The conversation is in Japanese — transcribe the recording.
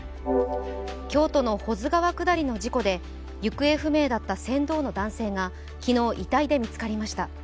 京都の保津川下りの事故で行方不明だった船頭の男性が昨日、遺体で見つかりました。